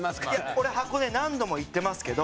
俺箱根何度も行ってますけど。